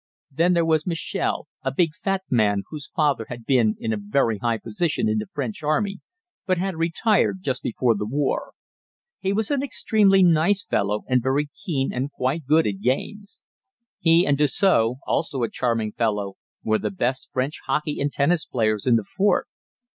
Then there was Michel, a big fat man, whose father had been in a very high position in the French army but had retired just before the war. He was an extremely nice fellow, and very keen and quite good at games. He and Desseaux, also a charming fellow, were the best French hockey and tennis players in the fort.